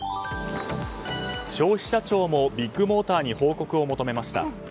消費者庁もビッグモーターに報告を求めました。